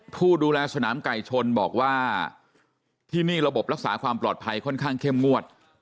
ผู้ดูแลสนามไก่ชนบอกว่าที่นี่ระบบรักษาความปลอดภัยค่อนข้างเข้มงวด